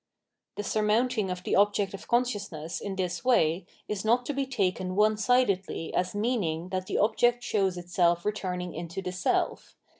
The surmoxmting of the object of consciousness in this way is not to be taken one sidedly as meaning that the object shows itself returning into the self.